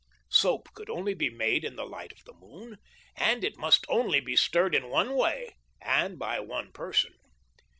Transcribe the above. Soap could only be made in the light of the moon, and it must only be stirred in one way and by one person.